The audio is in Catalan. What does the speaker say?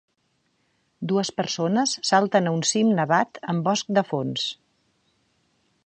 Dues persones salten a un cim nevat amb bosc de fons.